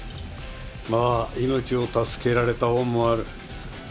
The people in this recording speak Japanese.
まあ命を助けられた恩もある。